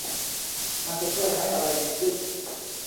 มันจะช่วยให้อะไรดีขึ้น